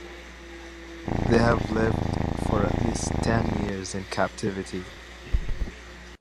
They have lived for at least ten years in captivity.